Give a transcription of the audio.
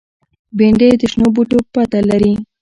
بېنډۍ د شنو بوټو پته لري